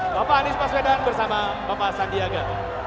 bapak anies baswedan bersama bapak sandiaga